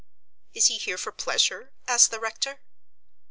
"Is he here for pleasure?" asked the rector.